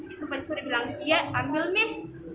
itu pencuri bilang iya ambil meme